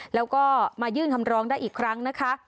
แล้วก็มายื่นคำร้องได้อีกครั้งนะคะ